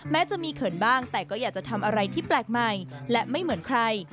แม้จะมีเขินบ้างแต่ก็อยากจะทำอะไรที่แปลกใหม่และไม่เหมือนใคร